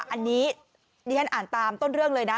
อันนี้ดิฉันอ่านตามต้นเรื่องเลยนะ